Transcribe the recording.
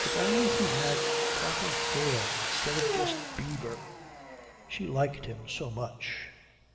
If only he had proper hair instead of just beaver. She liked him so much.